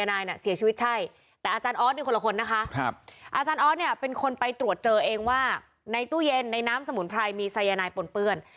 อาจารย์ออสเป็นคนไปตรวจเจอเองว่าในตู้เย็นในน้ำสมุนไพรมีไซยานายปนเปื้อน